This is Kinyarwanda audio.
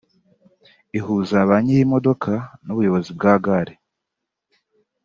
ihuza banyir’imodoka n’ubuyobozi bwa gare